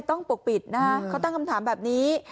ปกปิดนะฮะเขาตั้งคำถามแบบนี้